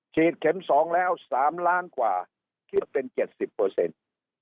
เข็มสองแล้วสามล้านกว่าคิดเป็นเจ็ดสิบเปอร์เซ็นต์